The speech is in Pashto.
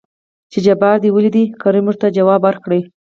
چې جبار دې ولېد؟ کريم ورته ځواب ورکړ.